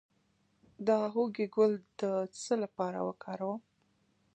د هوږې ګل د څه لپاره وکاروم؟